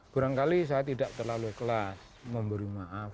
berangkali saya tidak terlalu ikhlas memberi maaf